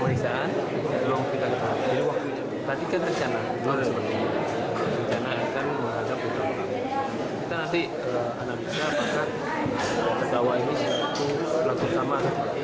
kita nanti kalau tidak bisa akan terdakwa ini laku sama